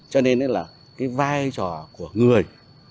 cho nên là cái vai trò của người